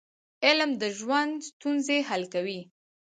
علم د ژوند ستونزې حل کوي.